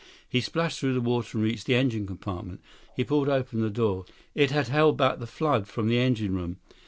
He splashed through the water and reached the engine compartment. He pulled open the door. It had held back the flood from the engine room.